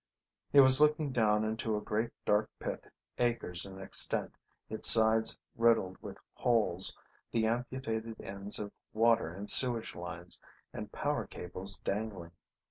He was looking down into a great dark pit, acres in extent, its sides riddled with holes, the amputated ends of water and sewage lines and power cables dangling.